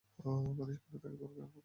মানুষ কেন তাকে গর্ভেই আপন করে নেয় না?